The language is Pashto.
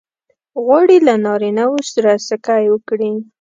غواړې له نارینه وو سره سکی وکړې؟